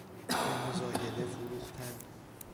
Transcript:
به مزایده فروختن